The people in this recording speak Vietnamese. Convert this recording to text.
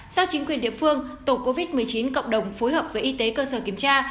sau chính quyền địa phương tổ covid một mươi chín cộng đồng phối hợp với y tế cơ sở kiểm tra